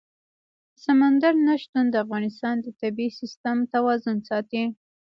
سمندر نه شتون د افغانستان د طبعي سیسټم توازن ساتي.